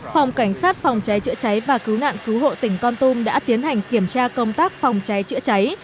phòng cảnh sát phòng cháy chữa cháy và cứu nạn cứu hộ tỉnh con tum đã tiến hành kiểm tra công tác phòng cháy chữa cháy